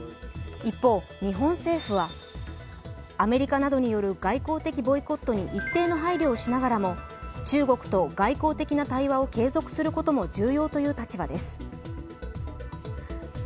一方、日本政府は、アメリカなどによる外交的ボイコットに一定の配慮をしながらも中国と外交的な対話も継続することも重要という立場です。